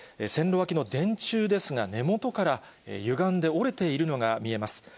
線路脇の電柱ですが、根元からゆがんで、折れているのが見えます。